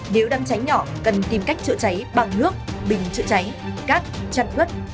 nếu đang cháy nhỏ cần tìm cách chữa cháy bằng nước bình chữa cháy cát chăn quất